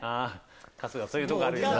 春日そういうとこあるよな